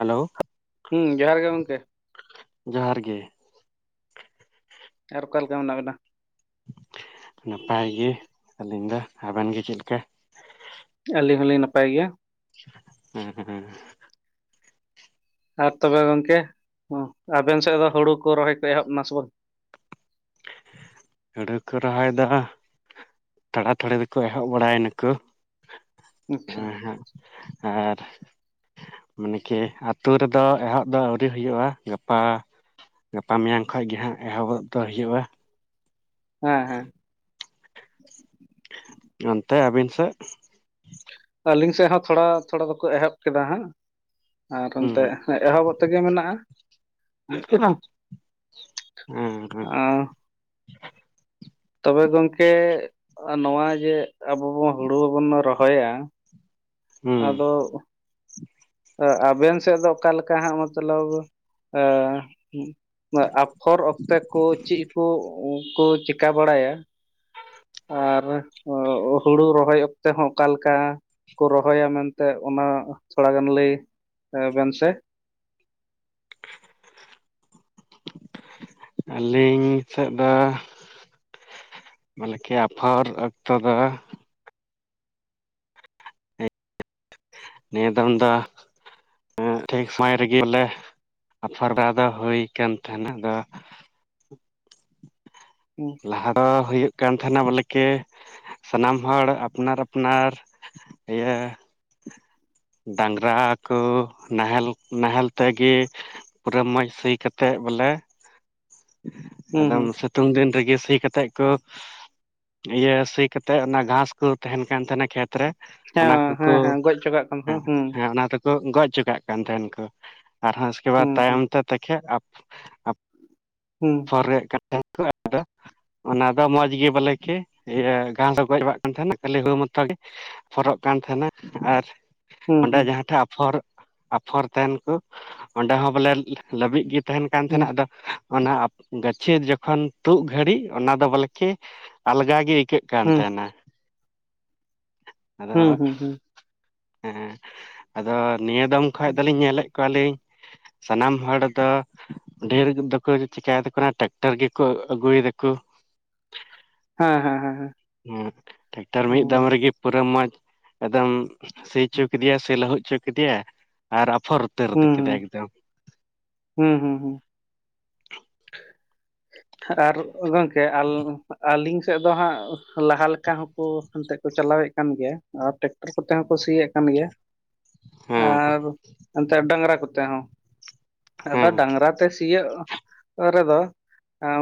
Hello [inaudible] ᱦᱩᱸ ᱡᱚᱦᱟᱨ ᱜᱮ ᱜᱚᱝᱠᱮ ᱾ [inaudible] ᱡᱚᱦᱟᱨ ᱜᱮ᱾ ᱟᱨ ᱚᱠᱟ ᱞᱮᱠᱟ ᱢᱮᱱᱟᱜ ᱵᱤᱱᱟ? [inaudible] ᱱᱟᱯᱟᱭ ᱜᱮ ᱟᱹᱞᱤᱧ ᱫᱚ ᱟᱵᱮᱱ ᱜᱮ ᱪᱮᱫᱞᱮᱠᱟ? ᱟᱹᱞᱤᱧ ᱦᱚᱸᱞᱤᱧ ᱱᱟᱯᱟᱭ ᱜᱮᱭᱟ᱾ [inaudible] ᱟᱨ ᱛᱚᱵᱮ ᱜᱚᱝᱠᱮ ᱦᱚᱸ ᱟᱵᱮᱱ ᱥᱮᱫ ᱫᱚ ᱦᱩᱲᱩ ᱠᱚ ᱨᱚᱦᱚᱭ ᱠᱚ ᱮᱦᱚᱵ ᱮᱱᱟ ᱥᱮ ᱵᱟᱝ? ᱦᱩᱲᱩ ᱠᱚ ᱨᱚᱦᱚᱭ ᱫᱚ ᱛᱷᱚᱲᱟ ᱛᱷᱚᱲᱤ ᱫᱚᱠᱚ ᱮᱦᱚᱵ ᱵᱟᱲᱟᱭᱱᱟ ᱠᱚ [unintelligible] ᱟᱪᱪᱷᱟ ᱮᱸ ᱦᱮᱸᱜ [unintelligible] ᱟᱨ ᱢᱟᱱᱮ ᱠᱤ ᱟᱹᱛᱩ ᱨᱮᱫᱚ ᱮᱦᱚᱵ ᱫᱚ ᱟᱹᱣᱨᱤ ᱦᱩᱭᱩᱜᱼᱟ᱾ ᱜᱟᱯᱟ ᱜᱟᱯᱟ ᱢᱮᱭᱟᱝ ᱠᱷᱚᱡ ᱜᱮ ᱦᱟᱸᱜ ᱮᱦᱚᱵᱚᱵ ᱫᱚ ᱦᱩᱭᱩᱜᱼᱟ᱾ ᱦᱮᱸᱻᱦᱮᱸᱻ [unintelligible] ᱚᱱᱛᱮ ᱟᱹᱵᱤᱱ ᱥᱮᱫ? ᱟᱹᱞᱤᱧ ᱥᱮᱫ ᱦᱚᱸ ᱛᱷᱚᱲᱟ ᱛᱷᱚᱲᱟ ᱫᱚᱠᱚ ᱮᱦᱚᱵ ᱠᱮᱫᱟ ᱦᱟᱸᱜ ᱟᱨ ᱦᱩᱸ ᱮᱱᱛᱮᱜ ᱦᱮᱸ ᱮᱦᱚᱵᱚᱜ ᱛᱮᱜᱮ ᱢᱮᱱᱟᱜᱼᱟ᱾ ᱦᱮᱸ ᱦᱮᱸ [unintelligible] ᱛᱚᱵᱮ ᱜᱚᱝᱠᱮ ᱱᱚᱣᱟ ᱡᱮ ᱟᱵᱚ ᱵᱚᱱ ᱦᱩᱲᱩ ᱵᱟᱹᱵᱚᱱ ᱨᱚᱦᱚᱭᱟ? ᱦᱩᱸ ᱟᱫᱚ ᱟ ᱟᱵᱮᱱ ᱥᱮᱫ ᱫᱚ ᱚᱠᱟ ᱞᱮᱠᱟ ᱦᱟᱸᱜ ᱢᱚᱛᱞᱚᱵᱽ [unintelligible] ᱵᱟ ᱟᱯᱷᱚᱨ ᱚᱠᱛᱮ ᱠᱚ ᱪᱮᱫ ᱠᱚ ᱠᱚ ᱪᱮᱠᱟ ᱵᱟᱲᱟᱭᱟ? ᱟᱨ ᱟᱹ ᱦᱩᱲᱩ ᱨᱚᱦᱚᱭ ᱚᱠᱛᱮ ᱦᱚᱸ ᱚᱠᱟ ᱞᱮᱠᱟ ᱠᱚ ᱨᱚᱦᱚᱭᱟ ᱢᱮᱱᱛᱮ ᱚᱱᱟ ᱛᱷᱚᱲᱟ ᱜᱟᱱ ᱞᱟᱹᱭ ᱵᱮᱱ ᱥᱮ, ᱞᱟᱹᱭᱟᱹᱧ ᱤᱧ ᱥᱮᱫ ᱫᱚ ᱢᱟᱱᱮ ᱠᱤ ᱟᱯᱷᱚᱨ ᱚᱠᱛᱚ ᱫᱚ ᱱᱤᱭᱟᱹ ᱫᱚᱢ ᱫᱚ ᱮᱸ ᱴᱷᱤᱠ ᱥᱚᱢᱚᱭ ᱨᱮᱜᱮ ᱵᱚᱞᱮ ᱟᱯᱷᱚᱨ ᱫᱚ ᱟᱫᱚ ᱦᱩᱭ ᱠᱟᱱ ᱛᱟᱦᱮᱱᱟ ᱟᱫᱚ ᱦᱩᱸ ᱞᱟᱦᱟ ᱫᱚ ᱦᱩᱭᱩᱜ ᱠᱟᱱ ᱛᱟᱦᱮᱱᱟ ᱵᱚᱞᱮᱠᱤ ᱥᱟᱱᱟᱢ ᱦᱚᱲ ᱟᱯᱱᱟᱨ ᱟᱯᱱᱟᱨ ᱤᱭᱟᱹ ᱰᱟᱝᱨᱟ ᱠᱚ ᱱᱟᱦᱮᱞ ᱱᱟᱦᱮᱞ ᱛᱮᱜᱮ ᱯᱩᱨᱟᱹ ᱢᱚᱸᱡᱽ ᱥᱤ ᱠᱟᱛᱮ ᱵᱚᱞᱮ ᱦᱩᱸ ᱮᱠᱫᱚᱢ ᱦᱩᱸ ᱥᱤᱛᱩᱝ ᱫᱤᱱ ᱨᱤ ᱜᱤ ᱥᱤ ᱠᱟᱛᱮᱫ ᱠᱚ ᱤᱭᱟᱹ ᱥᱤ ᱠᱟᱛᱮᱫ ᱚᱱᱟ ᱜᱷᱟᱸᱥ ᱠᱚ ᱛᱟᱦᱮᱱ ᱠᱟᱱ ᱛᱟᱦᱮᱱᱟ ᱠᱷᱮᱛ ᱛᱮᱨᱮ ᱚᱱᱟ ᱦᱮᱸ ᱠᱚᱠᱚ ᱦᱮᱸ ᱦᱮᱸ ᱜᱚᱡ ᱦᱚᱪᱚ ᱠᱟᱜ ᱠᱟᱱᱟ ᱦᱩᱸ ᱦᱮᱸ ᱚᱱᱟ ᱫᱚ ᱠᱚ ᱜᱚᱡ ᱦᱚᱪᱚ ᱠᱟᱜ ᱠᱟᱱ ᱛᱟᱦᱮᱱ ᱠᱚ ᱟᱨᱦᱚᱸ ᱩᱥᱠᱮ ᱵᱟᱫᱽ ᱦᱩᱸ ᱦᱩᱸ ᱛᱟᱭᱚᱢ ᱛᱮ ᱛᱮᱠᱷᱮᱡ ᱟᱯᱷ ᱟᱯᱷ ᱦᱩᱸ ᱯᱚᱨᱮᱡ ᱠᱟᱛᱮ ᱦᱚᱸᱠᱚ [unintelligible] ᱚᱱᱟ ᱫᱚ ᱢᱚᱸᱡᱽ ᱜᱮ ᱵᱚᱞᱮ ᱠᱮ ᱤᱭᱟᱹ ᱜᱷᱟᱸᱥ ᱦᱚᱸ ᱜᱚᱡ ᱵᱟᱲᱟᱜ ᱠᱟᱱ ᱛᱟᱦᱮᱱᱟ ᱠᱷᱟᱹᱞᱤ ᱦᱩᱲᱩ ᱢᱚᱛᱚ ᱜᱮ ᱦᱚᱨᱚᱜ ᱠᱟᱱ ᱛᱟᱦᱮᱱᱟ ᱟᱨ ᱦᱩᱸ ᱚᱸᱰᱮ ᱦᱩᱸ ᱡᱟᱦᱟᱸ ᱴᱷᱮᱡ ᱟᱯᱷᱚᱨ ᱟᱯᱷᱚᱨ ᱛᱟᱦᱮᱱ ᱠᱩ ᱚᱸᱰᱮ ᱦᱚᱸ ᱵᱚᱞᱮ ᱞᱟᱹᱵᱤᱫ ᱜᱤᱼᱼ ᱛᱟᱦᱮᱱ ᱠᱟᱱ ᱦᱩᱸ ᱛᱟᱦᱮᱱᱟ ᱟᱫᱚ ᱚᱱᱟ ᱜᱟᱹᱪᱷᱤ ᱡᱚᱠᱷᱚᱱ ᱛᱩᱫ ᱜᱷᱟᱹᱲᱤᱡ ᱚᱱᱟ ᱫᱚ ᱵᱚᱞᱮᱠᱤ ᱟᱞᱜᱟ ᱜᱮ ᱟᱹᱭᱠᱟᱹᱜ ᱠᱟᱱ ᱦᱩᱸ ᱛᱟᱦᱮᱱᱟ ᱟᱫᱚ ᱦᱩᱸ ᱦᱩᱸ ᱦᱩᱸ ᱦᱩᱸ ᱮᱸᱻ ᱟᱫᱚ ᱱᱤᱭᱟᱹ ᱫᱚᱢ ᱠᱷᱟᱡ ᱫᱚᱞᱤᱧ ᱧᱮᱞᱮᱫ ᱠᱚᱣᱟᱞᱤᱧ ᱥᱟᱱᱟᱢ ᱦᱚᱲ ᱫᱚ ᱰᱷᱮᱨ ᱫᱚᱠᱚ ᱪᱮᱠᱟᱹᱭ ᱫᱟᱠᱚ ᱚᱱᱟ ᱴᱮᱠᱴᱟᱨ ᱜᱮᱠᱚ ᱟᱹᱜᱩᱭᱮᱫᱟ ᱠᱩ ᱦᱮᱸ ᱦᱮᱸ ᱦᱮᱸ ᱦᱮᱸ ᱦᱮᱸ ᱴᱮᱠᱴᱟᱨ ᱢᱤᱫ ᱫᱚᱢ ᱦᱩᱸ ᱨᱮᱜᱮ ᱯᱩᱨᱟᱹ ᱢᱚᱸᱡᱽ ᱮᱠᱫᱚᱢ ᱥᱤ ᱦᱚᱪᱚ ᱠᱮᱫᱮᱭᱟ ᱥᱮ ᱞᱟᱹᱦᱩᱫ ᱦᱚᱪᱚ ᱠᱮᱫᱮᱭᱟ ᱟᱨ ᱟᱯᱷᱚᱨ ᱩᱛᱟᱹᱨ ᱦᱩᱸ ᱠᱮᱫᱟᱭ ᱮᱠᱫᱚᱢ ᱦᱩᱸ ᱦᱩᱸ ᱦᱩᱸ ᱟᱨ ᱜᱚᱝᱠᱮ ᱟᱞ ᱟᱹᱞᱤᱧ ᱮᱠᱫᱚᱢ ᱦᱟᱸᱜ ᱞᱟᱦᱟ ᱞᱮᱠᱟ ᱦᱚᱸᱠᱚ ᱮᱱᱛᱮᱫ ᱠᱚ ᱪᱟᱞᱟᱣᱮᱫ ᱠᱟᱱ ᱜᱮᱭᱟ ᱟᱨ ᱴᱮᱠᱴᱟᱨ ᱠᱚᱛᱮ ᱦᱚᱸᱠᱚ ᱥᱤᱭᱮᱫ ᱠᱟᱱ ᱜᱮᱭᱟ ᱦᱮᱸ ᱟᱨ ᱮᱱᱛᱮᱜ ᱰᱟᱝᱨᱟ ᱠᱚᱛᱮ ᱦᱚᱸ ᱟᱫᱚ ᱦᱮᱸ ᱰᱟᱝᱨᱟ ᱛᱮ ᱥᱤᱭᱚᱜ ᱨᱮᱫᱚ᱾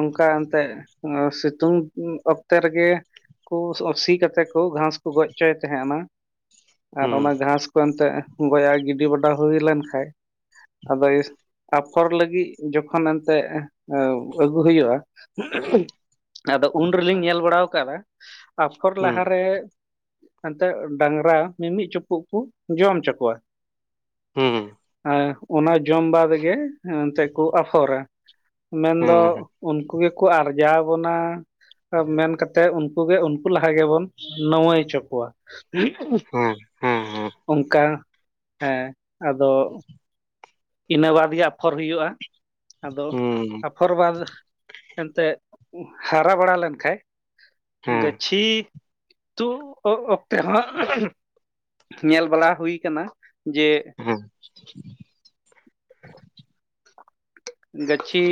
ᱚᱱᱠᱟ ᱮᱱᱛᱮᱜ ᱥᱤᱛᱩᱝ ᱚᱠᱛᱮ ᱨᱮᱜᱮ ᱠᱩ ᱥᱤ ᱠᱟᱛᱮ ᱠᱚ ᱜᱷᱟᱸᱥ ᱠᱚ ᱜᱚᱡ ᱦᱚᱪᱚᱭᱮᱫ ᱛᱟᱦᱮᱸᱱᱟ ᱟᱨ ᱦᱩᱸ ᱚᱱᱟ ᱜᱷᱟᱸᱥ ᱮᱱᱛᱮᱫ ᱜᱚᱭᱟᱭ ᱜᱤᱰᱤ ᱵᱟᱰᱟ ᱦᱩᱭ ᱞᱮᱱ-ᱠᱷᱟᱡ᱾ ᱟᱫᱚ ᱟᱯᱷᱚᱨ ᱞᱟᱹᱜᱤᱫ ᱡᱚᱠᱷᱚᱱ ᱮᱱᱛᱮᱜ ᱮᱸ ᱟᱹᱜᱩ ᱦᱩᱭᱩᱜ-ᱟ᱾ ᱟᱫᱚ ᱩᱱ ᱨᱮᱞᱤᱧ ᱧᱮᱞ ᱵᱟᱲᱟ ᱣᱟᱠᱟᱫᱟ ᱟᱯᱷᱚᱨ ᱦᱩᱸ ᱞᱟᱦᱟᱨᱮ ᱮᱱᱛᱮᱫ ᱰᱟᱝᱨᱟ ᱢᱤ-ᱢᱤᱫ ᱪᱩᱯᱩᱫ ᱠᱚ ᱡᱚᱢᱪᱚ ᱠᱚᱣᱟ᱾ ᱦᱩᱸ ᱚᱱᱟ ᱡᱚᱢ ᱵᱟᱫᱽ ᱜᱮ ᱮᱱᱛᱮ ᱠᱚ ᱟᱯᱷᱚᱨᱟ᱾ ᱦᱩᱸ ᱫᱚ ᱦᱮᱸ ᱩᱱᱠᱩ ᱜᱮᱠᱚ ᱟᱨᱡᱟᱣ ᱟᱵᱚᱱᱟ᱾ ᱢᱮᱱ ᱠᱟᱛᱮᱜ ᱩᱱᱠᱩ ᱜᱮ ᱩᱱᱠᱩ ᱞᱟᱦᱟ ᱜᱮᱵᱚᱱ ᱱᱟᱣᱟᱹᱭ ᱚᱪᱚ ᱠᱚᱣᱟ᱾ ᱦᱮᱸ ᱦᱮᱸ ᱦᱮᱸ ᱚᱱᱠᱟ ᱮᱸ ᱟᱫᱚ ᱤᱱᱟᱹ ᱵᱟᱫᱽ ᱜᱮ ᱟᱯᱷᱚᱨ ᱦᱩᱭᱩᱜ-ᱟ᱾ ᱟᱫᱚ ᱦᱩᱸ ᱟᱯᱷᱚᱨ ᱵᱟᱫᱽ ᱮᱱᱛᱮᱫ ᱦᱟᱨᱟ ᱵᱟᱲᱟ ᱞᱮᱱᱠᱷᱟᱡ ᱦᱮᱸ ᱜᱟᱹᱪᱷᱤ ᱛᱩᱜ ᱚᱠᱛᱮ ᱦᱚᱸ ᱧᱮᱞ ᱵᱟᱞᱟ ᱦᱩᱭ ᱠᱟᱱᱟ ᱡᱮ [unintelligible] ᱜᱟᱹᱪᱷᱤ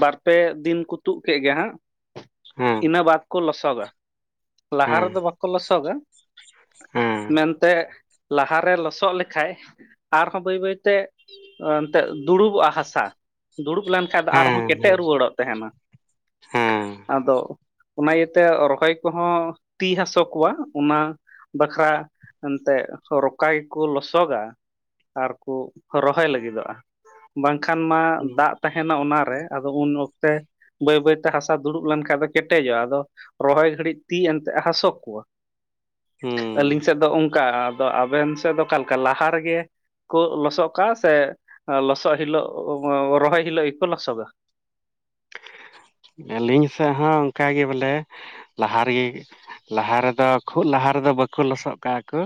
ᱵᱟᱨ-ᱯᱮ ᱫᱤᱱ ᱠᱩ ᱛᱩᱜ ᱠᱮᱫ ᱜᱮ ᱦᱟᱸᱜ ᱦᱮᱸ ᱤᱱᱟᱹ ᱵᱟᱫ ᱠᱚ ᱞᱚᱥᱚᱜᱟ, ᱞᱟᱦᱟ ᱦᱮᱸ ᱨᱮᱫᱚ ᱵᱟᱠᱚ ᱞᱚᱥᱚᱜᱟ᱾ ᱦᱮᱸ ᱢᱮᱱᱛᱮ ᱞᱟᱦᱟᱨᱮ ᱞᱚᱥᱚᱜ ᱞᱮᱠᱷᱟᱡ ᱟᱨᱦᱚᱸ ᱵᱟᱹᱭ-ᱵᱟᱹᱭᱛᱮ ᱮᱱᱛᱮᱜ ᱫᱩᱲᱩᱵᱚᱜ-ᱟ ᱦᱟᱸᱥᱟ ᱫᱩᱲᱩᱵ ᱞᱮᱱᱠᱷᱟᱱ ᱫᱚ ᱟᱨᱦᱚᱸ ᱦᱮᱸ ᱠᱮᱴᱮᱡ ᱨᱩᱣᱟᱹᱲᱚᱜ ᱛᱟᱦᱮᱸᱱᱟ᱾ ᱦᱮᱸ ᱟᱫᱚ ᱚᱱᱟ ᱤᱭᱟᱹᱛᱮ ᱨᱚᱦᱚᱭ ᱠᱚᱦᱚᱸ ᱛᱤ ᱦᱟᱹᱥᱩ ᱠᱚᱣᱟ ᱚᱱᱟ ᱵᱟᱠᱷᱨᱟ ᱮᱱᱛᱮᱫ ᱨᱚᱠᱟᱭ ᱜᱮᱠᱚ ᱞᱚᱥᱚᱜᱟ᱾ ᱟᱨ ᱠᱩ ᱨᱚᱦᱚᱭ ᱞᱟᱹᱜᱤᱫᱚᱜ-ᱟ᱾ ᱵᱟᱝᱠᱷᱟᱱ ᱢᱟ ᱫᱟᱜ ᱛᱟᱦᱮᱸᱱᱟ ᱚᱱᱟᱨᱮ ᱟᱫᱚ ᱩᱱ ᱚᱠᱛᱮ ᱵᱟᱹᱭ-ᱵᱟᱹᱭᱛᱮ ᱦᱟᱥᱟ ᱫᱩᱲᱩᱵ ᱞᱮᱱᱠᱷᱟᱡ ᱫᱚ ᱠᱮᱴᱮᱡᱚᱜ-ᱟ ᱟᱫᱚ ᱨᱚᱦᱚᱭ ᱜᱷᱟᱹᱲᱤᱡ ᱛᱤ ᱮᱱᱛᱮᱜ ᱦᱟᱹᱥᱩ ᱠᱚᱣᱟ᱾ ᱦᱩᱸ ᱟᱹᱞᱤᱧ ᱥᱮᱫ ᱫᱚ ᱚᱱᱠᱟ ᱟᱫᱚ ᱟᱵᱮᱱ ᱥᱮᱫ ᱫᱚ ᱚᱠᱟ ᱞᱮᱠᱟ ᱞᱟᱦᱟ ᱨᱮᱜᱮ ᱠᱚ ᱞᱚᱥᱚᱜ ᱠᱟᱜ-ᱟ ᱥᱮ ᱞᱚᱥᱚᱜ ᱦᱤᱞᱳᱜ ᱨᱚᱦᱚᱭ ᱦᱤᱞᱳᱜ ᱜᱮᱠᱚ ᱞᱚᱥᱚᱫᱟ᱾ ᱟᱹᱞᱤᱧ ᱥᱮᱫ ᱦᱚᱸ ᱚᱱᱠᱟ ᱜᱮ ᱵᱚᱞᱮ ᱞᱟᱦᱟ ᱨᱮᱜᱮ ᱞᱟᱦᱟ ᱨᱮᱫᱚ ᱠᱷᱩᱜ ᱞᱟᱦᱟ ᱨᱮᱫᱚ ᱵᱟᱠᱚ ᱞᱚᱥᱚᱫ ᱠᱟᱜ-ᱟ ᱠᱚ᱾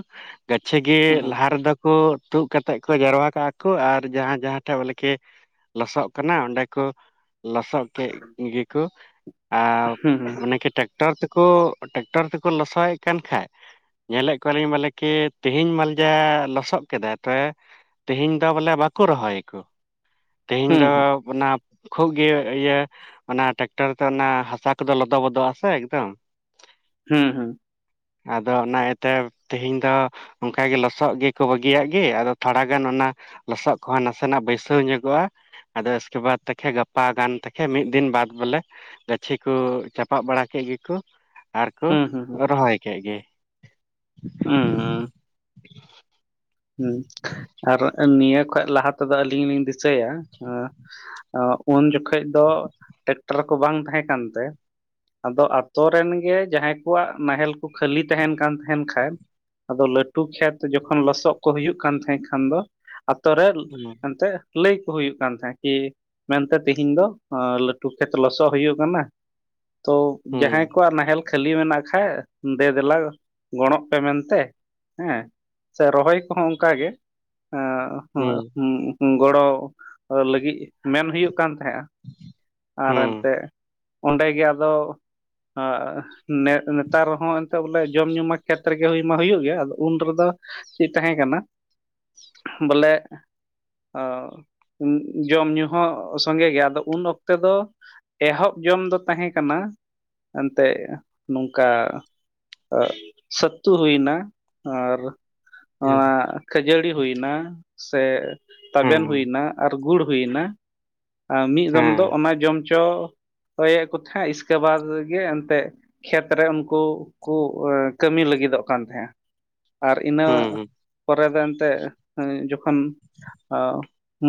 ᱜᱟᱹᱪᱷᱤ ᱜᱮ ᱞᱟᱦᱟ ᱨᱮᱫᱚ ᱠᱚ ᱛᱩᱫ ᱠᱟᱛᱮᱫ ᱠᱚ ᱡᱟᱣᱨᱟ ᱠᱟᱜ-ᱟ ᱠᱚ ᱟᱨ ᱡᱟᱦᱟᱸ ᱡᱟᱦᱟᱸ ᱴᱷᱮᱡ ᱵᱚᱞᱮᱠᱤ ᱞᱚᱥᱚᱜ ᱠᱟᱱᱟ ᱚᱸᱰᱮ ᱠᱚ ᱞᱚᱥᱚᱜ ᱠᱮᱫ ᱜᱮᱠᱚ ᱟᱨ ᱢᱟᱱᱮ ᱠᱮᱴᱟᱠ- ᱴᱟᱨ ᱛᱮᱠᱚ ᱴᱮᱠᱴᱚᱨ ᱛᱮᱠᱚ ᱞᱚᱥᱚᱜᱭᱮᱫ ᱠᱟᱱ ᱠᱷᱟᱡ ᱧᱮᱞ ᱮᱫ ᱠᱚᱣᱟᱞᱤᱧ ᱢᱚᱞᱮ ᱠᱤ ᱛᱮᱦᱤᱧ ᱢᱟᱞ ᱡᱟ ᱞᱚᱥᱚᱜ ᱠᱮᱫᱟᱭ ᱛᱚᱵᱮ ᱛᱮᱦᱮᱧ ᱫᱚ ᱵᱚᱞᱮ ᱵᱟᱠᱚ ᱨᱚᱦᱚᱭᱟ ᱟᱠᱩ᱾ ᱛᱮᱦᱤᱧ ᱫᱚ ᱚᱱᱟ ᱠᱷᱩᱵ ᱜᱮ ᱤᱭᱟᱹ ᱚᱱᱟ ᱴᱨᱟᱠᱴᱚᱨ ᱛᱮ ᱚᱱᱟ ᱦᱟᱥᱟ ᱠᱚᱫᱚ ᱞᱚᱫᱚ- ᱵᱚᱫᱚᱜ-ᱟ ᱥᱮ ᱮᱠᱫᱚᱢ᱾ ᱦᱩᱸ ᱦᱩᱸ ᱟᱫᱚ ᱚᱱᱟ ᱤᱭᱟᱹᱛᱮ ᱛᱤᱦᱤᱧ ᱫᱚ ᱚᱱᱠᱟᱜᱮ ᱞᱚᱥᱚᱜ ᱜᱮᱠᱚ ᱵᱟᱹᱜᱤᱭᱟᱜ ᱜᱮ᱾ ᱟᱫᱚ ᱛᱷᱚᱲᱟ ᱜᱟᱱ ᱚᱱᱟ ᱞᱚᱥᱚᱜ ᱠᱚᱦᱚᱸ ᱱᱟᱥᱮᱱᱟᱜ ᱵᱟᱹᱭᱥᱟᱹᱣ ᱧᱚᱜᱚᱜ-ᱟ ᱟᱫᱚ ᱩᱥᱠᱮ ᱵᱟᱫᱽ ᱛᱮᱠᱷᱮ ᱜᱟᱯᱟ ᱜᱟᱱ ᱛᱠᱷᱮ ᱢᱤᱫ ᱫᱤᱱ ᱵᱟᱫᱽ ᱵᱚᱞᱮ ᱜᱟᱹᱪᱷᱤ ᱠᱚ ᱪᱟᱯᱟᱫ ᱵᱟᱲᱟ ᱠᱮᱫ ᱜᱮᱠᱚ ᱟᱨ ᱠᱚ ᱦᱩᱸ ᱦᱩᱸ ᱨᱚᱦᱚᱭ ᱠᱮᱜ ᱜᱮ᱾ ᱩᱸ᱾ ᱦᱩᱸ ᱟᱨ ᱱᱤᱭᱟᱹ ᱠᱷᱟᱡ ᱞᱟᱦᱟ ᱛᱮᱫᱚ ᱟᱹᱞᱤᱧ ᱞᱤᱧ ᱫᱤᱥᱟᱹᱭᱟ ᱮᱸᱜ ᱩᱱ ᱡᱚᱠᱷᱚᱡ ᱫᱚ ᱴᱮᱠᱴᱟᱨ ᱠᱚ ᱵᱟᱝ ᱛᱟᱦᱮᱸ ᱠᱟᱱᱛᱮ, ᱟᱫᱚ ᱟᱛᱳ ᱨᱮᱱ ᱜᱮ ᱡᱟᱦᱟᱸᱭ ᱠᱚᱣᱟᱜ ᱱᱟᱸᱦᱮᱞ ᱠᱚ ᱠᱷᱟᱹᱞᱤ ᱛᱟᱦᱮᱸᱱ ᱠᱟᱱ ᱛᱟᱦᱮᱸᱱ ᱠᱷᱟᱱ ᱟᱫᱚ ᱞᱟᱹᱴᱩ ᱠᱷᱮᱛ ᱡᱚᱠᱷᱚᱱ ᱞᱚᱥᱚᱫ ᱠᱚ ᱦᱩᱭᱩᱜ ᱠᱟᱱ ᱛᱟᱦᱮᱸ ᱠᱷᱟᱱ ᱫᱚ ᱟᱛᱳ ᱨᱮ ᱦᱩᱸ ᱮᱱᱛᱮᱜ, ᱞᱟᱹᱭ ᱠᱚ ᱦᱩᱭᱩᱜ ᱠᱟᱱ ᱛᱟᱦᱮᱸᱫ ᱠᱤ ᱢᱮᱱᱛᱮ ᱛᱮᱦᱮᱧ ᱫᱚ ᱞᱟᱹᱴᱩ ᱠᱷᱮᱛ ᱞᱚᱥᱚᱫ ᱦᱩᱭᱩᱜ ᱠᱟᱱᱟ᱾ ᱛᱚ ᱦᱩᱸ ᱡᱟᱦᱟᱸᱭ ᱠᱚᱣᱟᱜ ᱱᱟᱦᱮᱞ ᱠᱷᱟᱹᱞᱤ ᱢᱮᱱᱟᱜ ᱠᱷᱟᱱᱡ ᱫᱮ ᱫᱮᱞᱟ ᱜᱚᱲᱚᱜ ᱯᱮ ᱢᱮᱱᱛᱮ ᱦᱮᱸ᱾ ᱥᱮ ᱨᱚᱦᱚᱭ ᱠᱚᱦᱚᱸ ᱚᱱᱠᱟᱜᱮ ᱦᱟᱹ ᱦᱩᱸ ᱦᱩᱸ ᱜᱚᱲᱚ ᱞᱟᱹᱜᱤᱫ ᱢᱮᱱ ᱦᱩᱭᱩᱜ ᱠᱟᱱ ᱛᱟᱦᱮᱸᱜᱼᱟ ᱟᱨ ᱦᱩᱸ ᱮᱱᱛᱮ ᱚᱸᱰᱮ ᱜᱮ ᱟᱫᱚ ᱱᱮ ᱱᱮᱛᱟᱨᱦᱚᱸ ᱮᱱᱛᱮ ᱵᱚᱞᱮ ᱡᱚᱢ ᱧᱩ ᱢᱟ ᱠᱷᱮᱛᱨᱮᱜᱮ ᱦᱩᱭ ᱢᱟ ᱦᱩᱭᱩᱜ ᱜᱮᱭᱟ ᱟᱫᱚ ᱩᱱ ᱨᱮᱫᱚ ᱪᱮᱫ ᱛᱟᱦᱮᱸ ᱠᱟᱱᱟ ᱵᱚᱞᱮ ᱡᱚᱢ ᱧᱩᱩ ᱦᱚᱸ ᱥᱚᱸᱜᱮ ᱜᱮ ᱟᱫᱚ ᱩᱱ ᱚᱠᱛᱮ ᱫᱚ ᱮᱦᱚᱵ ᱡᱚᱢ ᱫᱚ ᱛᱟᱦᱮᱸ ᱠᱟᱱᱟ ᱮᱱᱛᱮᱜ ᱱᱚᱝᱠᱟ ᱟᱜ ᱥᱟᱛᱛᱩ ᱦᱩᱭᱱᱟ, ᱟᱨ ᱦᱮᱸ ᱟᱸᱜ ᱠᱷᱟᱹᱡᱟᱹᱲᱤ ᱦᱩᱭ ᱱᱟ᱾ ᱥᱮ ᱛᱟᱵᱮᱱ ᱦᱮᱸ ᱦᱩᱭᱱᱟ ᱟᱨ ᱜᱩᱲ ᱦᱩᱭᱱᱟ ᱢᱤᱫ ᱫᱚᱚᱢ ᱫᱚ ᱦᱮᱸ ᱚᱱᱟ ᱡᱚᱢ ᱪᱚ ᱦᱚᱭᱮᱫ ᱠᱚ ᱛᱟᱦᱮᱸᱫ ᱤᱥᱠᱮ ᱵᱟᱫᱽ ᱜᱮ ᱮᱱᱛᱮᱜ ᱠᱷᱮᱛ ᱨᱮ ᱩᱱᱠᱩ ᱠᱩ ᱠᱟᱹᱢᱤ ᱞᱟᱹᱜᱤᱫᱚᱜ ᱠᱟᱱ ᱛᱟᱦᱮᱸᱱᱟ ᱟᱨ ᱤᱱᱟᱹ ᱦᱮᱸ ᱯᱚᱨᱮ ᱫᱚ ᱮᱱᱛᱮᱜ ᱡᱚᱠᱷᱚᱱ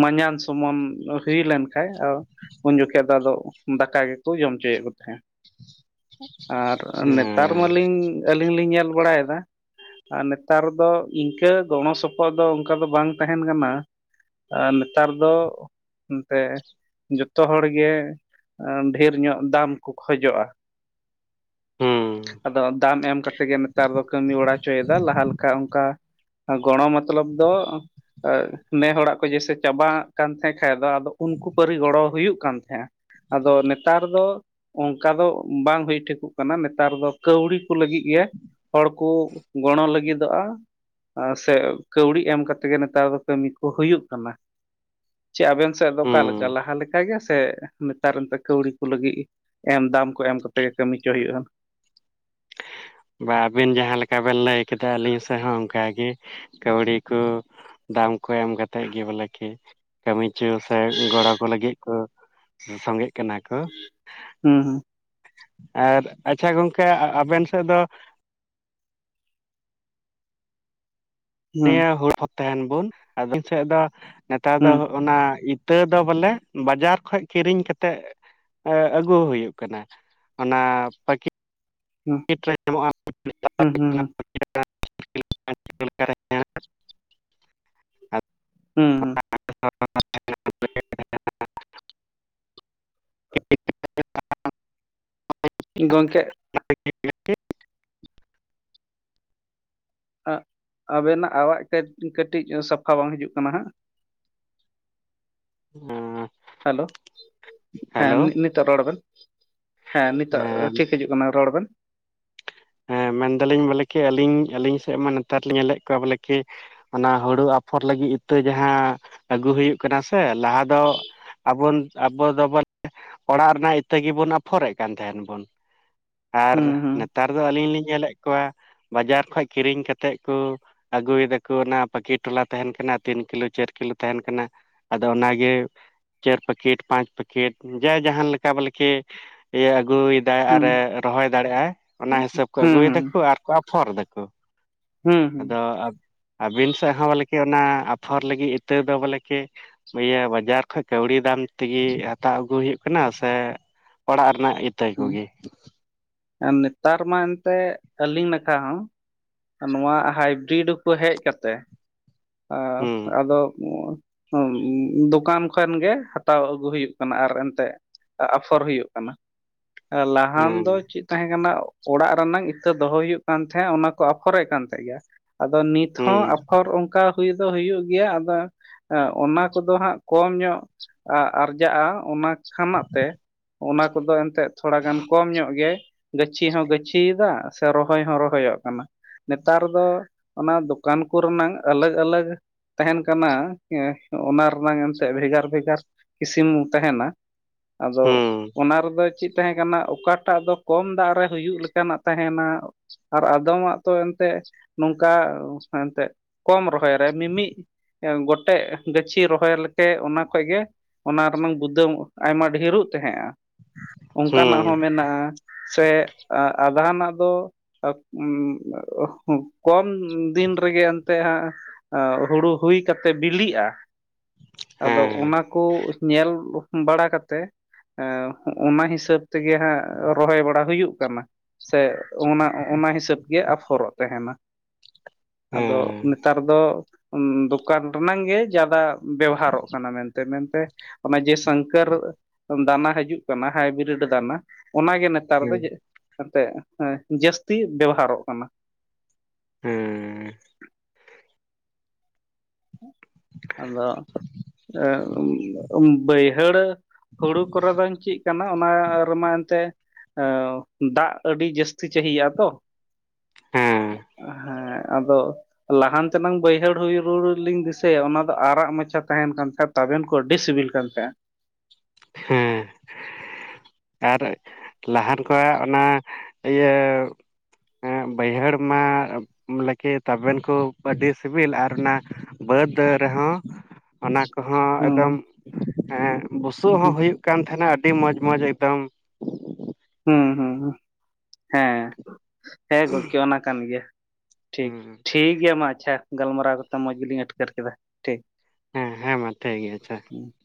ᱢᱟᱡᱟᱢ ᱥᱚᱢᱟᱱ ᱦᱩᱭ ᱞᱮᱱᱠᱷᱟᱡ ᱩᱱ ᱡᱚᱠᱷᱮᱡ ᱫᱚ ᱟᱫᱚ ᱫᱟᱠᱟ ᱜᱮᱠᱚ ᱡᱚᱢ ᱚᱪᱚᱭᱮᱫ ᱠᱚ ᱛᱟᱦᱮᱸᱫ᱾ ᱟᱨ ᱱᱮᱛᱟᱨ ᱦᱮᱸ ᱢᱟᱞᱤᱝ ᱟᱹᱞᱤᱧ ᱦᱚᱞᱤᱧ ᱞᱤᱧ ᱧᱮᱞ ᱵᱟᱲᱟᱭᱫᱟ ᱟᱨ ᱱᱮᱛᱟᱨ ᱫᱚ ᱤᱝᱠᱟᱹ ᱜᱚᱲᱚ ᱥᱚᱯᱚᱦᱚᱫ ᱫᱚ ᱚᱝᱠᱟ ᱫᱚ ᱵᱟᱝ ᱛᱟᱦᱮᱱ ᱠᱟᱱᱟ, ᱱᱮᱛᱟᱨ ᱫᱚ ᱚᱱᱛᱮ ᱡᱚᱛᱚ ᱦᱚᱲ ᱜᱮ ᱰᱷᱮᱨ ᱧᱚᱜ ᱫᱟᱢ ᱠᱚ ᱠᱷᱚᱡᱚᱜᱼᱟ, ᱦᱮᱸ ᱟᱫᱚ ᱫᱟᱢ ᱮᱢ ᱠᱟᱛᱮ ᱜᱮ ᱱᱮᱛᱟᱨ ᱫᱚ ᱠᱟᱹᱢᱤ ᱵᱟᱲᱟᱟ ᱦᱚᱪᱚᱭᱫᱟ, ᱞᱟᱦᱟ ᱞᱮᱠᱟ ᱚᱝᱠᱟ ᱜᱚᱲᱚ ᱢᱚᱛᱞᱚᱵ ᱫᱚ ᱱᱮ ᱦᱚᱲᱟᱜ ᱠᱚ ᱡᱮᱭᱥᱮ ᱪᱟᱵᱟᱜ ᱠᱟᱱ ᱛᱟᱦᱮᱸ ᱠᱷᱟᱡ ᱫᱚ ᱟᱫᱚ ᱩᱱᱠᱩ ᱯᱟᱹᱨᱤ ᱜᱚᱲᱚ ᱦᱩᱭᱩᱜ ᱠᱟᱱ ᱛᱟᱦᱮᱸᱫ᱾ ᱟᱫᱚ ᱱᱮᱛᱟᱨ ᱫᱚ ᱚᱝᱠᱟ ᱫᱚ ᱵᱟᱝ ᱦᱩᱭ ᱴᱷᱤᱠᱚᱜ ᱠᱟᱱᱟ ᱱᱮᱛᱟᱨ ᱫᱚ ᱠᱟᱹᱣᱰᱤ ᱠᱚ ᱞᱟᱹᱜᱤᱫ ᱜᱮ ᱦᱚᱲ ᱠᱩ ᱜᱚᱲᱚ ᱞᱟᱹᱜᱤᱫᱚᱜᱼᱟ, ᱥᱮ ᱠᱟᱹᱣᱲᱤ ᱮᱢ ᱠᱟᱛᱮ ᱜᱮ ᱱᱮᱛᱟᱨ ᱫᱚ ᱠᱟᱹᱢᱤ ᱠᱚ ᱦᱩᱭᱩᱜ ᱠᱟᱱᱟ᱾ ᱪᱮ ᱟᱵᱮᱱ ᱥᱮᱫ ᱫᱚ ᱚᱠᱟᱞᱮᱠᱟ ᱦᱮᱸ ᱞᱟᱦᱟ ᱞᱮᱠᱟ ᱞᱮᱠᱟ ᱜᱮ ᱥᱮ ᱱᱮᱛᱟᱨ ᱱᱮᱛ ᱠᱟᱹᱣᱰᱤ ᱠᱚ ᱞᱟᱹᱜᱤᱫ ᱮᱢ ᱫᱟᱢ ᱠᱚ ᱮᱢ ᱠᱟᱛᱮ ᱜᱮ ᱠᱟᱹᱢᱤᱪᱚ ᱦᱩᱭᱩᱜᱼᱟ᱾ ᱵᱟ ᱟᱵᱮᱱ ᱡᱟᱦᱟᱸ ᱞᱮᱠᱟ ᱵᱮᱱ ᱞᱟᱹᱭ ᱠᱮᱫᱟ ᱟᱹᱞᱤᱧ ᱥᱮᱦᱚ ᱚᱝᱠᱟᱜᱮ᱾ ᱠᱟᱹᱣᱲᱤ ᱠᱚ ᱫᱟᱢ ᱠᱚ ᱮᱢ ᱠᱟᱛᱮᱜ ᱜᱮ ᱵᱚᱞᱮ ᱠᱤ ᱠᱟᱹᱢᱤᱪᱚ ᱥᱮ ᱜᱚᱲᱚ ᱠᱚ ᱞᱟᱹᱜᱤᱫ ᱠᱚ ᱥᱚᱝᱜᱮ ᱠᱟᱱᱟ ᱠᱚ ᱦᱩᱸ ᱟᱨ ᱟᱪᱪᱷᱟ ᱜᱚᱝᱠᱮ ᱟᱵᱮᱱ ᱥᱮᱫ ᱫᱚ ᱦᱩᱸ ᱱᱤᱭᱟᱹ ᱦᱩᱲ ᱛᱟᱦᱮᱸᱱ ᱵᱩᱱ ᱟᱫᱚ ᱵᱤᱱ ᱥᱮᱫ ᱫᱚ ᱱᱮᱛᱟᱨ ᱫᱚ ᱦᱩᱸ ᱚᱱᱟ ᱤᱛᱟᱹ ᱫᱚ ᱵᱚᱞᱮ ᱵᱟᱡᱟᱨ ᱠᱷᱚᱡ ᱠᱤᱨᱤᱧ ᱠᱟᱛᱮᱫ ᱮ ᱟᱹᱜᱩ ᱦᱩᱭᱩᱜ ᱠᱟᱱᱟ ᱚᱱᱟ ᱯᱟᱠᱤ ᱦᱩᱸ [unintelligible] ᱦᱩᱸ ᱦᱩ ᱦᱩᱸ ᱾ ᱦᱮᱸ ᱦᱮᱸ ᱾ [unintelligible] [unintelligible] ᱜᱚᱝᱠᱮ [unintelligible] ᱟ ᱟᱵᱮᱱᱟᱜ ᱟᱣᱟᱜ ᱠᱟᱹᱴ ᱠᱟᱹᱴᱤᱡ ᱥᱟᱯᱷᱟ ᱵᱟᱝ ᱦᱤᱡᱩᱜ ᱠᱟᱱᱟ ᱦᱟᱸᱜ ᱾ ᱦᱮᱸᱻ ᱦᱮᱞᱳ! ᱦᱮᱸ ᱱᱤ-ᱱᱤᱛᱚᱜ ᱨᱚᱲ ᱵᱮᱱ ᱾ ᱦᱮᱸ, ᱱᱤᱛ ᱛᱚᱜ ᱴᱷᱤᱠ ᱦᱤᱡᱩᱜ ᱠᱟᱱᱟ ᱨᱚᱲ ᱵᱮᱱ ᱾ ᱦᱮᱸ ᱢᱮᱱᱫᱟᱞᱤᱧ ᱵᱚᱞᱮ ᱠᱤ ᱟᱹᱞᱤᱧ ᱟᱹᱞᱤᱧ ᱥᱮᱜ ᱢᱟ ᱱᱮᱛᱟᱨ ᱞᱤᱧ ᱧᱮᱞᱮᱜ ᱠᱚᱣᱟ ᱵᱚᱞᱮ ᱠᱤ ᱚᱱᱟ ᱦᱩᱲᱩ ᱟᱯᱷᱚᱨ ᱞᱟᱹᱜᱤᱫ ᱤᱛᱟᱹ ᱡᱟᱦᱟᱸ ᱟᱹᱜᱩ ᱦᱩᱭᱩᱜ ᱠᱟᱱᱟ ᱥᱮ ᱞᱟᱦᱟ ᱫᱚ ᱟᱵᱚᱱ ᱟᱵᱚ ᱫᱚᱵᱚᱱ ᱚᱲᱟᱜ ᱨᱮᱱᱟᱜ ᱤᱛᱟᱹ ᱜᱮᱵᱚᱱ ᱟᱯᱷᱚᱨᱮᱜ ᱠᱟᱱ ᱛᱟᱦᱮᱱ ᱵᱚᱱ ᱟᱨ ᱦᱩᱸ ᱦᱩᱸ ᱱᱮᱛᱟᱨ ᱫᱚ ᱟᱹᱞᱤᱧ ᱞᱤᱧ ᱧᱮᱞᱮᱜ ᱠᱚᱣᱟ ᱵᱟᱡᱟᱨ ᱠᱷᱚᱡ ᱠᱤᱨᱤᱧ ᱠᱟᱛᱮᱫ ᱠᱚ ᱟᱹᱜᱩᱭᱮᱫᱟᱠᱚ ᱚᱱᱟ ᱯᱟᱠᱤᱴ ᱴᱚᱞᱟ ᱛᱟᱦᱮᱱ ᱠᱟᱱᱟ ᱛᱤᱱ ᱠᱤᱞᱳ, ᱪᱟᱹᱨ ᱠᱤᱞᱳ ᱛᱟᱦᱮᱱ ᱠᱟᱱᱟ ᱾ ᱟᱫᱚ ᱚᱱᱟᱜᱮ ᱪᱟᱹᱨ ᱯᱮᱠᱮᱴ, ᱯᱟᱸᱪ ᱯᱮᱠᱮᱴ ᱡᱟ ᱡᱟᱦᱟᱸ ᱞᱮᱠᱟ ᱵᱚᱞᱮᱠᱮ ᱤᱭᱟᱹ ᱟᱹᱜᱩᱭ ᱫᱟ ᱦᱩᱸ ᱟᱨᱮ ᱨᱚᱦᱚᱭ ᱫᱟᱲᱮᱭᱟᱜᱼᱟᱭ, ᱚᱱᱟ ᱦᱤᱥᱟᱹᱵ ᱠᱚ ᱦᱩᱸ ᱟᱹᱜᱩᱭ ᱦᱩᱸ ᱫᱟᱠᱚ ᱟᱨᱠᱚ ᱟᱯᱷᱚᱨ ᱫᱟᱠᱚ ᱦᱩᱸ ᱾ ᱦᱩᱸ ᱟᱫᱚ ᱟ ᱟᱹᱵᱤᱱ ᱥᱮᱜ ᱦᱚᱸ ᱵᱚᱞᱮᱠᱤ ᱚᱱᱟ ᱟᱯᱷᱚᱨ ᱞᱟᱹᱜᱤᱫ ᱤᱛᱟᱹ ᱫᱚ ᱵᱚᱞᱮ ᱠᱤ ᱤᱭᱟᱹ ᱵᱟᱡᱟᱨ ᱠᱷᱚᱡ ᱠᱟᱹᱣᱲᱤ ᱫᱟᱢ ᱛᱤᱜᱤ ᱦᱟᱛᱟᱣ ᱟᱹᱜᱩ ᱦᱩᱭᱩᱜ ᱠᱟᱱᱟ ᱥᱮ ᱚᱲᱟᱜ ᱨᱮᱱᱟᱜ ᱤᱛᱟᱹᱭ ᱠᱚᱜᱮ? ᱟᱨ ᱱᱮᱛᱟᱨ ᱢᱟ ᱮᱱᱛᱮᱜ ᱟᱹᱞᱤᱧ ᱱᱟᱠᱷᱟ ᱦᱚᱸ ᱱᱚᱣᱟ ᱦᱟᱭᱵᱨᱤᱰ ᱠᱚ ᱦᱮᱡ ᱠᱟᱛᱮᱫ, ᱟ ᱦᱩᱸ ᱟᱫᱚ [inaudible] [inaudible] ᱫᱚᱠᱟᱱ ᱠᱷᱚᱱ ᱜᱮ ᱦᱟᱛᱟᱣ ᱟᱹᱜᱩ ᱦᱩᱭᱩᱜ ᱠᱟᱱᱟ ᱟᱨ ᱮᱱᱛᱮᱫ ᱟ-ᱟᱯᱷᱚᱨ ᱦᱩᱭᱩᱜ ᱠᱟᱱᱟ, ᱞᱟᱦᱟᱱ ᱦᱩᱸ ᱫᱚ ᱪᱮᱫ ᱛᱟᱦᱮᱸ ᱠᱟᱱᱟ ᱚᱲᱟᱜ ᱨᱮᱱᱟᱝ ᱤᱛᱟᱹ ᱫᱚᱦᱚᱭ ᱦᱩᱭᱩᱜ ᱠᱟᱱ ᱛᱟᱦᱮᱸᱫ ᱚᱱᱟ ᱠᱚ ᱟᱯᱷᱚᱨᱮᱜ ᱠᱟᱱ ᱛᱟᱦᱮᱸᱜ ᱜᱮᱭᱟ, ᱟᱫᱚ ᱱᱤᱛ [inaudible] ᱦᱚᱸ ᱦᱩᱸ ᱟᱯᱷᱚᱨ ᱚᱝᱠᱟ ᱦᱩᱭ ᱫᱚ ᱦᱩᱭᱩᱜ ᱜᱮᱭᱟ, ᱟᱫᱚ ᱚᱱᱟ ᱠᱚᱫᱚ ᱦᱟᱸᱜ ᱠᱚᱢ ᱧᱚᱜ ᱟ-ᱟᱨᱡᱟᱜᱼᱟ ᱚᱱᱟ ᱠᱷᱟᱱᱟᱜ ᱛᱮ ᱚᱱᱟ ᱠᱚᱫᱚ ᱮᱱᱛᱮᱫ ᱛᱷᱚᱲᱟ ᱜᱟᱱ ᱠᱚᱢ ᱧᱚᱜ ᱜᱮᱭᱟᱭ ᱾ ᱜᱟᱹᱪᱷᱤ ᱦᱚᱸ ᱜᱟᱹᱪᱷᱤᱭᱮᱫᱟ ᱥᱮ ᱨᱚᱦᱚᱭ ᱦᱚᱸ ᱨᱚᱦᱚᱭᱚᱜ ᱠᱟᱱᱟ᱾ ᱱᱮᱛᱟᱨ ᱫᱚ ᱚᱱᱟ ᱫᱚᱠᱟᱱ ᱠᱚᱨᱮᱱᱟᱝ ᱟᱞᱟᱜᱽᱼᱟᱞᱟᱜᱽ ᱛᱟᱦᱮᱱ ᱠᱟᱱᱟ ᱮᱸ ᱚᱱᱟ ᱨᱮᱱᱟᱝ ᱮᱱᱛᱮᱫ ᱵᱷᱮᱜᱟᱨ ᱵᱷᱮᱜᱟᱨ ᱤᱥᱤᱢᱩ ᱛᱟᱦᱮᱱᱟ, ᱟᱫᱚ ᱦᱩᱸ ᱫᱚ ᱪᱮᱫ ᱛᱟᱦᱮᱸ ᱠᱟᱱᱟ ᱚᱠᱟᱴᱟᱜ ᱫᱚ ᱠᱚᱢ ᱫᱟᱜ ᱨᱮ ᱦᱩᱭᱩᱜ ᱞᱮᱠᱟᱱᱟᱜ ᱛᱟᱦᱮᱱᱟ ᱟᱨ ᱟᱫᱚᱢᱟᱜ ᱛᱚ ᱮᱱᱛᱮᱫ ᱱᱚᱝᱠᱟ ᱮᱱᱛᱮᱫ ᱠᱚᱢ ᱨᱚᱦᱚᱭ ᱨᱮ ᱢᱤᱢᱤᱜ ᱮ ᱜᱚᱴᱮᱜ ᱜᱟᱹᱪᱷᱤ ᱨᱚᱦᱚᱭ ᱞᱮᱠᱮ ᱚᱱᱟ ᱠᱷᱚᱡ ᱜᱮ ᱚᱱᱟ ᱨᱮᱱᱟᱝ ᱜᱩᱫᱟᱹ ᱟᱭᱢᱟ ᱰᱷᱮᱨᱚᱜ ᱛᱟᱦᱮᱸᱜᱼᱟ, ᱚᱝᱠᱟᱱᱟᱜ ᱦᱩᱸ ᱦᱚᱸ ᱢᱮᱱᱟᱜᱼᱟ᱾ ᱥᱮ ᱟ-ᱟᱫᱷᱟᱱᱟᱜ ᱫᱚ [inaudible] ᱠᱚᱢ ᱫᱤᱱ ᱨᱮᱜᱮ ᱮᱱᱛᱮᱜ ᱦᱟᱸᱜ ᱟᱸ ᱦᱩᱲᱩ ᱦᱩᱭ ᱠᱟᱛᱮᱫ ᱵᱤᱞᱤᱜᱼᱟ ᱾ ᱟᱫᱚ ᱦᱮᱸ ᱚᱱᱟ ᱠᱚ ᱧᱮᱞ ᱵᱟᱲᱟ ᱠᱟᱛᱮ ᱮᱸᱻ ᱚᱱᱟ ᱦᱤᱥᱟᱹᱵ ᱛᱮᱜᱮ ᱦᱟᱸᱜ ᱨᱚᱦᱚᱭ ᱵᱟᱲᱟ ᱦᱩᱭᱩᱜ ᱠᱟᱱᱟ ᱾ ᱥᱮ ᱚᱱᱟ, ᱚᱱᱟ ᱦᱤᱥᱟᱹᱵ ᱜᱮ ᱟᱯᱷᱚᱨᱚᱜ ᱛᱟᱦᱮᱱᱟ ᱿ ᱟᱫᱚᱻᱻ ᱦᱮᱸ ᱱᱮᱛᱟᱨ ᱫᱚ ᱫᱚᱠᱟᱱ ᱨᱮᱱᱟᱝ ᱜᱮ ᱡᱟᱫᱟ ᱵᱮᱦᱟᱨᱚ ᱠᱟᱱᱟ ᱢᱮᱱᱛᱮ, ᱢᱮᱱᱛᱮᱻᱻ ᱚᱱᱟ ᱡᱮ ᱥᱚᱝᱠᱚᱨ ᱫᱟᱱᱟ ᱾ ᱦᱤᱡᱩᱜ ᱠᱟᱱᱟ, ᱦᱟᱭᱵᱨᱤᱰ ᱫᱟᱱᱟ ᱚᱱᱟᱜᱮ ᱱᱮᱛᱟᱨ ᱫᱚᱻᱻ ᱦᱮᱸ ᱮᱱᱛᱮᱫ, ᱡᱟᱹᱥᱛᱤ ᱵᱮᱵᱚᱦᱟᱨᱚᱜ ᱠᱟᱱᱟ ᱾ ᱦᱩᱸᱻ ᱟᱫᱚ ᱮᱜ ᱵᱟᱹᱭᱦᱟᱹᱲᱼᱼ ᱦᱩᱲᱩ ᱠᱚᱨᱮ ᱫᱚᱧ ᱪᱮᱫ ᱠᱟᱱᱟ ᱚᱱᱟ ᱨᱮᱢᱟ ᱮᱱᱛᱮᱫᱼᱼ ᱫᱟᱜ ᱟᱹᱰᱤ ᱡᱟᱹᱥᱛᱤ ᱪᱟᱹᱦᱤᱭᱟᱼᱟ ᱛᱚ ᱾ ᱦᱮᱸ ᱾ ᱦᱮᱸ ᱟᱫᱚ ᱞᱟᱦᱟᱱ ᱛᱮᱱᱟᱝ ᱵᱟᱹᱭᱦᱟᱹᱲ ᱦᱩᱭ ᱦᱩᱲᱩᱼᱼ ᱞᱤᱧ ᱫᱤᱥᱟᱹᱭᱟ, ᱚᱱᱟ ᱫᱚ ᱟᱨᱟᱜ ᱢᱟᱪᱷᱟ ᱛᱟᱦᱮᱱ ᱠᱟᱱ ᱛᱟᱦᱮᱸᱫ ᱛᱟᱵᱮᱱ ᱠᱚ ᱟᱹᱰᱤ ᱥᱤᱵᱤᱞ ᱠᱟᱱ ᱛᱟᱦᱮᱸᱱ ᱾ ᱦᱮᱸ [inaudible] ᱟᱨ ᱞᱟᱦᱟᱱ ᱠᱚᱣᱟᱜ ᱚᱱᱟ ᱤᱭᱟᱹᱼᱼ ᱵᱟᱹᱭᱦᱟᱹᱲ ᱢᱟ ᱞᱟᱹᱜᱤᱫ ᱛᱟᱵᱮᱱ ᱠᱚ ᱟᱹᱰᱤ ᱥᱤᱵᱤᱞ ᱟᱨ ᱚᱱᱟᱼᱼ ᱵᱟᱹᱫᱽ ᱨᱮᱦᱚᱸᱼᱼ ᱚᱱᱟ ᱠᱚᱦᱚᱸ ᱮᱠᱫᱚᱢ ᱦᱩᱸ ᱮᱜ ᱵᱩᱥᱩᱵ ᱦᱚᱸ ᱦᱩᱭᱩᱜ ᱠᱟᱱ ᱛᱟᱦᱮᱱᱟ ᱟᱹᱰᱤ ᱢᱚᱡᱽ ᱢᱚᱸᱡᱽ ᱮᱠᱫᱚᱢ ᱾ ᱦᱩᱸ ᱦᱩᱸ ᱦᱩᱸ, ᱦᱮᱸ ᱾ ᱦᱮᱸ ᱜᱚᱝᱠᱮ ᱚᱱᱟ ᱠᱟᱱ ᱜᱮᱭᱟ ᱴᱷᱤᱠ, ᱦᱩᱸ ᱴᱷᱤᱠ ᱜᱮᱭᱟ ᱢᱟ ᱟᱪᱪᱷᱟ ᱾ ᱜᱟᱞᱢᱟᱨᱟᱣ ᱠᱟᱛᱮ ᱢᱚᱸᱡᱽ ᱜᱮᱞᱤᱧ ᱟᱴᱠᱟᱹᱨ ᱠᱮᱫᱟ ᱴᱷᱤᱠ ᱾ ᱦᱮᱸ ᱦᱮᱸ ᱜᱚᱝᱠᱮ ᱜᱮ ᱟᱪᱪᱷᱟ ᱾ [inaudible]